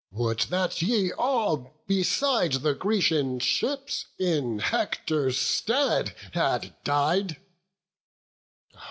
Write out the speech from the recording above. Would that ye all beside the Grecian ships In Hector's stead had died!